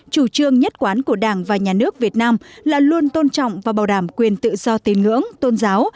chủ trương nhất quán của đảng và nhà nước việt nam là luôn tôn trọng và bảo đảm quyền tự do tín ngưỡng tôn giáo